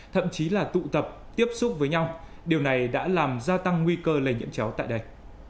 thậm chí là tụ tập tiếp xúc với nhau điều này đã làm gia tăng nguy cơ lây nhiễm chéo tại đây